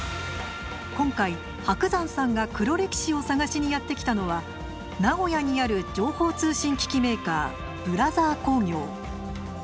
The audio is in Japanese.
今回伯山さんが黒歴史を探しにやって来たのは名古屋にある情報通信機器メーカーブラザー工業。